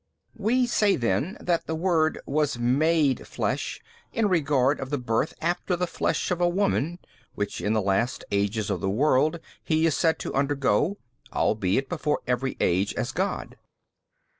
|246 B. We say then that the Word WAS MADE flesh in regard of the birth after the flesh from a woman, which in the last ages of the world He is said to undergo, albeit before every age as God.